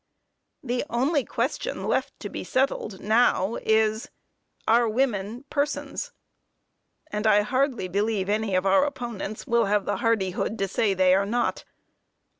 The only question left to be settled, now, is: Are women persons? And I hardly believe any of our opponents will have the hardihood to say they are not.